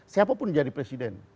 siapapun jadi presiden